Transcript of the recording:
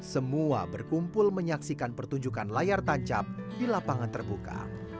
semua berkumpul menyaksikan pertunjukan layar tancap di lapangan terbuka